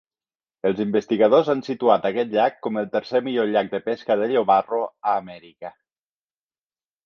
Els investigadors han situat aquest llac com el tercer millor llac de pesca de llobarro a Amèrica.